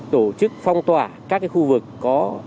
tổ chức phong tỏa các khu vực có f